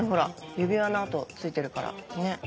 指輪の痕ついてるからね？